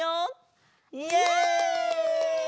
イエイ！